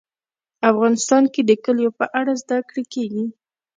افغانستان کې د کلیو په اړه زده کړه کېږي.